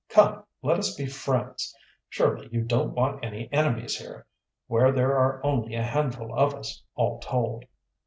Come, let us be friends. Surely you don't want any enemies here, where there are only a handful of us, all told."